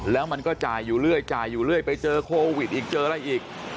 แล้วมันก็จ่ายอยู่เรื่อยจ่ายอยู่เรื่อยไปเจอโควิดอีกเจออะไรอีก